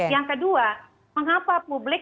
yang kedua mengapa publik